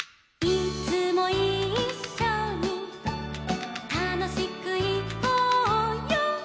「いつもいっしょにたのしくいこうよ」